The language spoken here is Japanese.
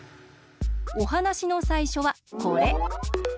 おはなしのさいしょはこれ。